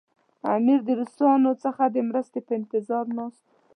امیر د روسانو څخه د مرستې په انتظار ناست وو.